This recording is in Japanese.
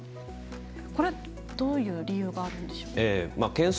これはどういう理由があるんでしょうか。